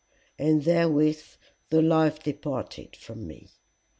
and therewith the life departed from me.